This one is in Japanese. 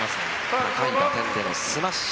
高い打点でのスマッシュ。